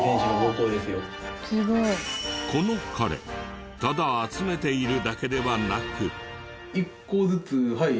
この彼ただ集めているだけではなく。